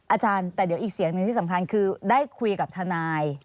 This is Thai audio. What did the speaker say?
อาจารย์แต่เดี๋ยวอีกเสียงหนึ่งที่สำคัญคือได้คุยกับทนาย